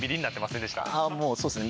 あもうそうっすね。